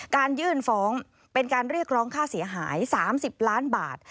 ยื่นฟ้องเป็นการเรียกร้องค่าเสียหาย๓๐ล้านบาท